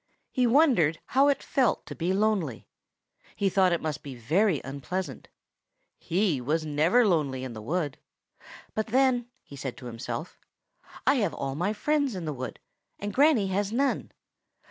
He wondered how it felt to be lonely; he thought it must be very unpleasant. He was never lonely in the wood. "But then," he said to himself, "I have all my friends in the wood, and Granny has none.